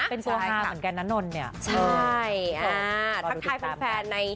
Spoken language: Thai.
เป็นประวัติภาพเหมือนแก่นนนนน